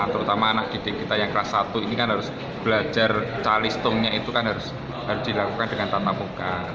terutama anak didik kita yang kelas satu ini kan harus belajar calistungnya itu kan harus dilakukan dengan tatap muka